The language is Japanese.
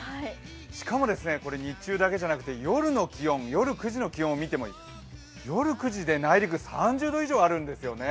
しかも、日中だけじゃなくて夜９時の気温を見ても夜９時で内陸３０度以上あるんですよね。